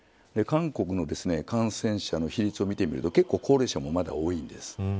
韓国の感染者の比率を見てみると結構高齢者もまだ多いんです。